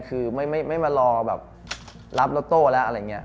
คือไม่มารอแบบรับรถโต้แล้วอะไรอย่างนี้